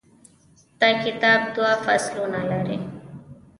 دا کتاب دوه فصلونه لري.